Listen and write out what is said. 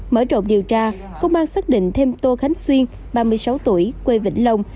mở rộng điều tra công an xác định thêm tô khánh xuyên ba mươi sáu tuổi quê vĩnh long